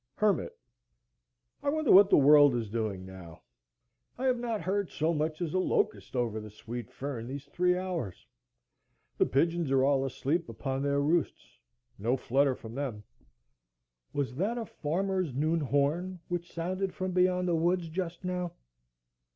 Hermit. I wonder what the world is doing now. I have not heard so much as a locust over the sweet fern these three hours. The pigeons are all asleep upon their roosts,—no flutter from them. Was that a farmer's noon horn which sounded from beyond the woods just now?